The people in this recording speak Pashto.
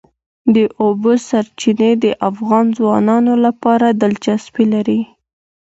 د اوبو سرچینې د افغان ځوانانو لپاره دلچسپي لري.